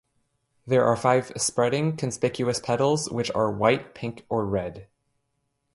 There are five spreading, conspicuous petals which are white, pink or red.